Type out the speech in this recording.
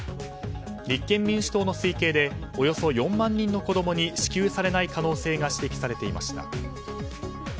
立憲民主党の推計でおよそ４万人の子供に支給されない可能性が指摘されていました。